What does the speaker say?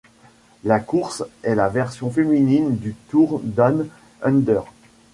La course est la version féminine du Tour Down Under.